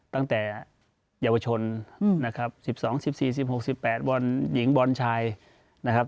ตั้งแต่เยาวชนนะครับสิบสองสิบสี่สิบหกสิบแปดบอลหญิงบอลชายนะครับ